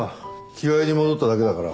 着替えに戻っただけだから。